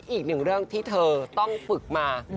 อีกหนึ่งเรื่องที่เธอต้องฝึกมา